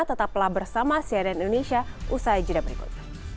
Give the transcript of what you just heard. tetaplah bersama cnn indonesia usai jeda berikut